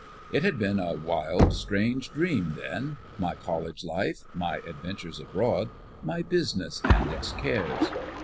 It had been a wild, strange dream, then, my college life, my adventures abroad, my business and its cares.